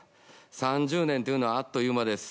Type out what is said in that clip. ３０年というのは、あっという間です。